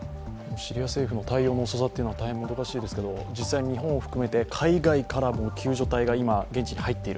シリア政府の対応の遅さも大変もどかしいですけど実際、日本を含めて海外からも救助隊が今、現地に入っている。